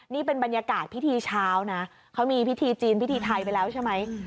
นี่เป็นบรรยากาศพิธีเช้านะเขามีพิธีจีนพิธีไทยไปแล้วใช่ไหม